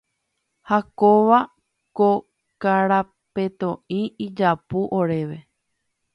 Ha kóva ko karapetoʼi ijapu oréve.